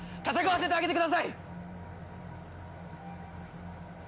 戦わせてあげてください！